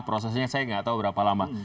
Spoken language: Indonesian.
prosesnya saya nggak tahu berapa lama